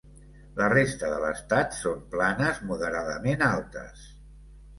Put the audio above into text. La resta de l'estat són planes moderadament altes.